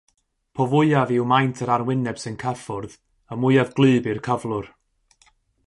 Po fwyaf yw maint yr arwyneb sy'n cyffwrdd, y mwyaf gwlyb yw'r cyflwr.